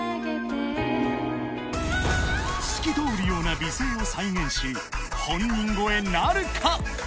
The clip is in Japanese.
透き通るような美声を再現し本人超えなるか？